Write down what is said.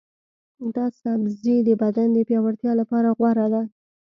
دا سبزی د بدن د پیاوړتیا لپاره غوره دی.